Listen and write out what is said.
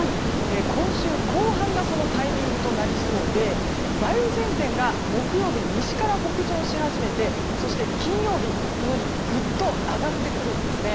今週後半がそのタイミングとなりそうで梅雨前線が木曜日西から北上し始めてそして、金曜日ぐっと上がってくるんです。